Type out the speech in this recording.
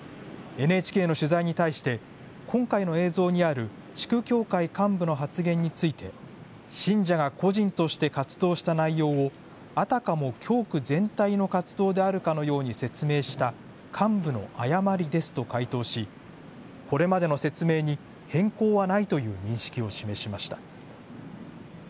ＮＨＫの取材に対して、今回の映像にある地区協会幹部の発言について、信者が個人として活動した内容を、あたかも教区全体の活動であるかのように説明した幹部の誤りですと回答し、これまでの説明に変更はないという認識を示しました。